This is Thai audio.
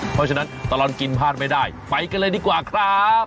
เพราะฉะนั้นตลอดกินพลาดไม่ได้ไปกันเลยดีกว่าครับ